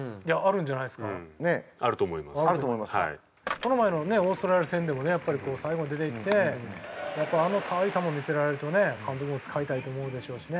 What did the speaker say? この前のねオーストラリア戦でもねやっぱりこう最後に出ていってやっぱああいう球見せられるとね監督も使いたいって思うでしょうしね。